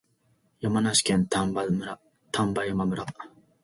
山梨県丹波山村